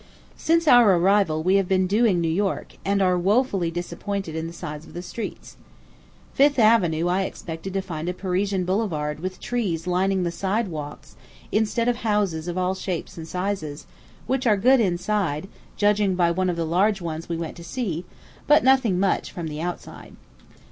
Since our arrival we have been "doing" New York, and are woefully disappointed in the size of the streets. Fifth Avenue I expected to find a Parisian Boulevard with trees lining the "side walks," instead of houses of all shapes and sizes, which are good inside, judging by one of the large ones we went to see, but nothing much from the outside.